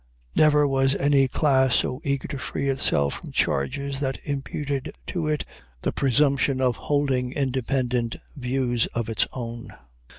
Never was any class so eager to free itself from charges that imputed to it the presumption of holding independent views of its own.